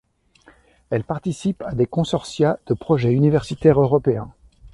Elle participe à des consortia de projets universitaires européens.